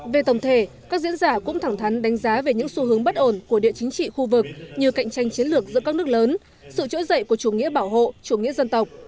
về tổng thể các diễn giả cũng thẳng thắn đánh giá về những xu hướng bất ổn của địa chính trị khu vực như cạnh tranh chiến lược giữa các nước lớn sự trỗi dậy của chủ nghĩa bảo hộ chủ nghĩa dân tộc